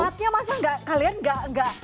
tempatnya masa kalian gak